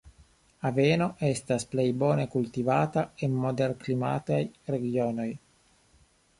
Aveno estas plej bone kultivata en moderklimataj regionoj.